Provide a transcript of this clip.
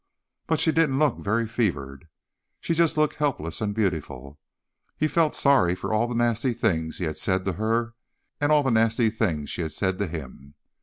But she didn't look very fevered. She just looked helpless and beautiful. He felt sorry for all the nasty things he had said to her, and all the nasty things she had said to him.